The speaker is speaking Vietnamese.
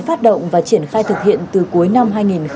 phát động và triển khai thực hiện từ cuối năm hai nghìn hai mươi một